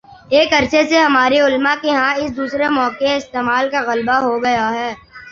ایک عرصے سے ہمارے علما کے ہاں اس دوسرے موقعِ استعمال کا غلبہ ہو گیا ہے